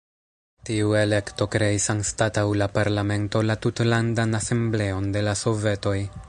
Tiu elekto kreis anstataŭ la parlamento la Tutlandan Asembleon de la Sovetoj.